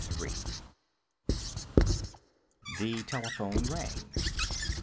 III The telephone rang.